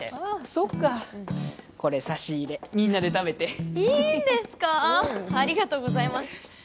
そっかこれ差し入れみんなで食べていいんですかありがとうございます